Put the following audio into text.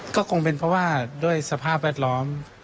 ก็คงเป็นเพราะว่าด้วยสภาพแวดล้อม